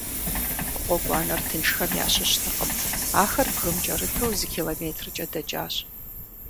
Гъуэгуанэр тыншхэм ящыщтэкъым - ахэр бгым кӏэрыту зы километркӏэ дэкӏащ.